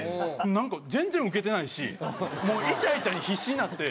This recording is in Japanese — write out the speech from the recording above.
なんか全然ウケてないしもうイチャイチャに必死になって。